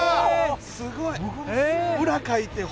すごい。